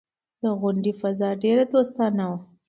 د غونډې فضا ډېره دوستانه وه.